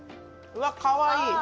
うわっ、かわいい。